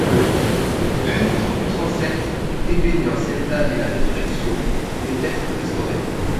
Deux vitraux du transept — dépeignant Sainte-Anne et la Résurrection — pourraient être restaurés.